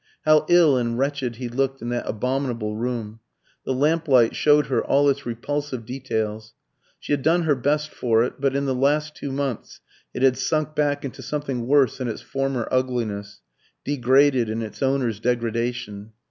How ill and wretched he looked in that abominable room! The lamplight showed her all its repulsive details. She had done her best for it; but in the last two months it had sunk back into something worse than its former ugliness, degraded in its owner's degradation.